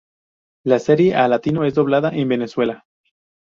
La serie al latino es doblada en Venezuela.